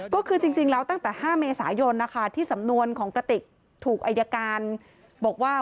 ก็คือจริงแล้วตั้งแต่๕เมษายนนะคะที่สำนวนของกระติกถูกอายการบอกว่า